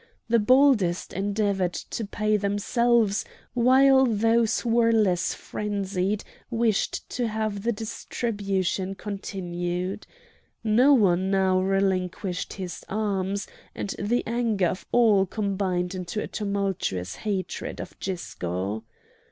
The boldest endeavoured to pay themselves, while those who were less frenzied wished to have the distribution continued. No one now relinquished his arms, and the anger of all combined into a tumultuous hatred of Gisco.